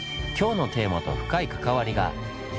今日のテーマと深い関わりが。